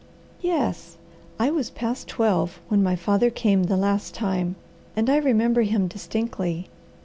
"Yes. I was past twelve when my father came the last time, and I remember him distinctly.